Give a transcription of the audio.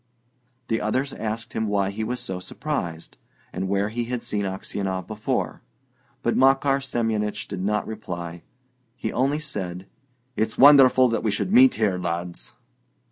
The others asked him why he was so surprised, and where he had seen Aksionov before; but Makar Semyonich did not reply. He only said: "It's wonderful that we should meet here, lads!"